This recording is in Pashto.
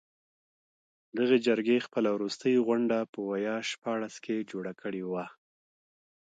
دغې جرګې خپله وروستۍ غونډه په ویا شپاړس کې جوړه کړې وه.